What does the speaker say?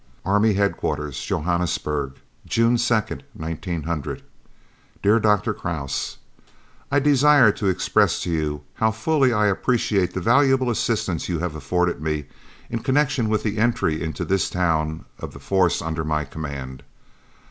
"ARMY HEAD QUARTERS, "JOHANNESBURG, "June 2nd, 1900. "DEAR DR. KRAUSE, "I desire to express to you how fully I appreciate the valuable assistance you have afforded me in connection with the entry into this town of the force under my command.